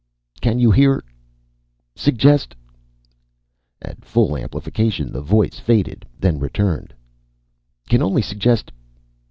"Can you hear ... Suggest ..." At full amplification, the voice faded, then returned. "Can only suggest